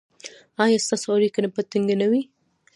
ایا ستاسو اړیکې به ټینګې وي؟